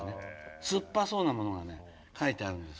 酸っぱそうなものがね描いてあるんです。